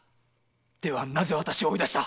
ではなぜ私を追いだした？